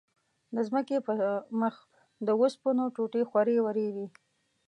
د ځمکې پر مخ د اوسپنو ټوټې خورې ورې وې.